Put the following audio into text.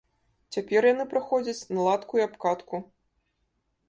Цяпер яны праходзяць наладку і абкатку.